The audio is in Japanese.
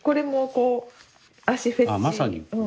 まさに。